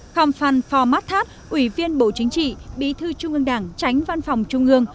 khăm phan phò mát thát ủy viên bộ chính trị bí thư trung ương đảng tránh văn phòng trung ương